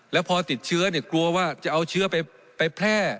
แล้วพอติดเชื้อกลัวว่าจะเอาเชื้อไปแพร่